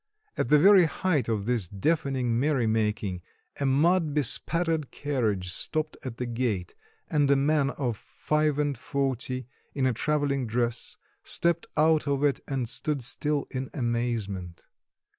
At the very height of this deafening merry making a mud bespattered carriage stopped at the gate, and a man of five and forty, in a travelling dress, stepped out of it and stood still in amazement.